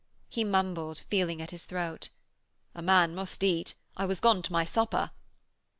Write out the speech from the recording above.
He mumbled, feeling at his throat: 'A man must eat. I was gone to my supper.'